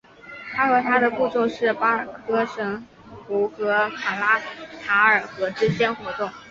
他和他的部众是巴尔喀什湖和卡拉塔尔河之间活动。